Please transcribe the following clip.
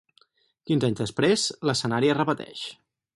Quinze anys després, l’escenari es repeteix.